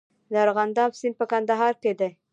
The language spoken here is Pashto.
د ارغنداب سیند په کندهار کې دی